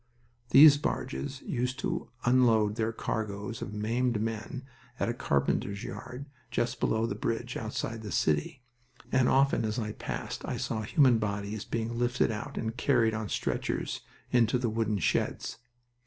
These barges used to unload their cargoes of maimed men at a carpenter's yard just below the bridge, outside the city, and often as I passed I saw human bodies being lifted out and carried on stretchers into the wooden sheds.